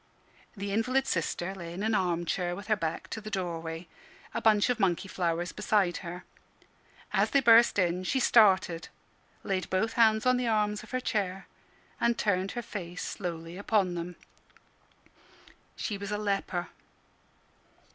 The invalid sister lay in an arm chair with her back to the doorway, a bunch of monkey flowers beside her. As they burst in, she started, laid both hands on the arms of her chair, and turned her face slowly upon them. She was a leper!